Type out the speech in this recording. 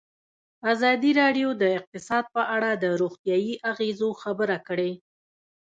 ازادي راډیو د اقتصاد په اړه د روغتیایي اغېزو خبره کړې.